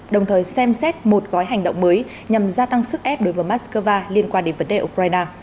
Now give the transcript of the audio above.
đồng thời xem xét một gói hành động mới nhằm gia tăng sức ép đối với moscow liên quan đến vấn đề ukraine